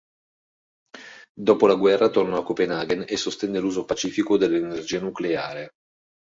Dopo la guerra tornò a Copenaghen e sostenne l'uso pacifico dell'energia nucleare.